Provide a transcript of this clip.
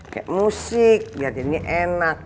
kek musik ya jenisnya enak